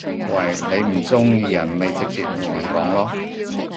喂！你唔中意人咪直接同人講囉